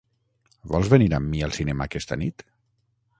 Vols venir amb mi al cinema aquesta nit?